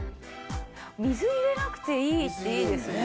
水入れなくていいっていいですね。